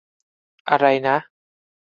อะไรนะ ?